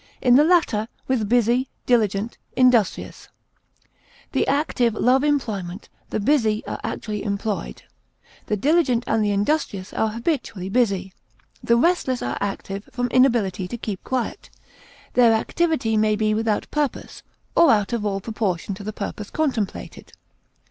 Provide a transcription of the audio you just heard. in the latter, with busy, diligent, industrious. The active love employment, the busy are actually employed, the diligent and the industrious are habitually busy. The restless are active from inability to keep quiet; their activity may be without purpose, or out of all proportion to the purpose contemplated.